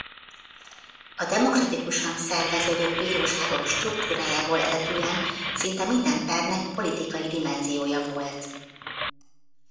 A demokratikusan szerveződött bíróságok struktúrájából eredően szinte minden pernek politikai dimenziója volt.